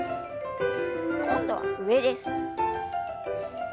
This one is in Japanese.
今度は上です。